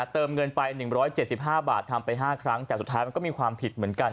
เติมเงินไป๑๗๕บาททำไป๕ครั้งแต่สุดท้ายมันก็มีความผิดเหมือนกัน